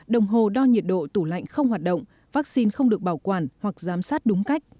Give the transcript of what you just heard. đồng hồ đo nhiệt độ tủ lạnh không hoạt động vaccine không được bảo quản hoặc giám sát đúng cách